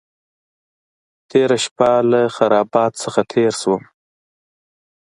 تېره شپه له خرابات څخه تېر شوم.